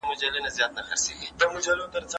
له زړې بوډۍ لکړي مي شرمېږم